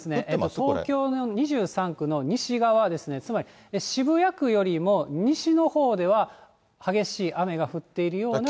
東京の２３区の西側ですね、つまり、渋谷区よりも西のほうでは、激しい雨が降っているような状況です。